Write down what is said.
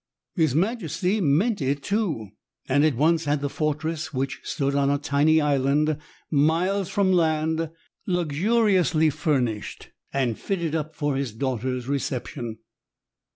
His majesty meant it, too, and at once had the fortress, which stood on a tiny island miles from land, luxuriously furnished and fitted up for his daughter's reception.